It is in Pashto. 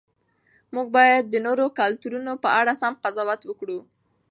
موږ باید د نورو کلتورونو په اړه سم قضاوت وکړو.